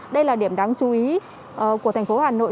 đây là điểm đáng chú ý của thành phố hà nội